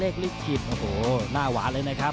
ลิขิตโอ้โหหน้าหวานเลยนะครับ